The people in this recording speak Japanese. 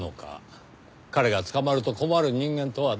彼が捕まると困る人間とは誰なのか。